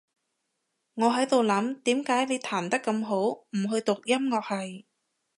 我喺度諗，點解你彈得咁好，唔去讀音樂系？